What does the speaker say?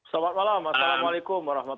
selamat malam assalamualaikum wr wb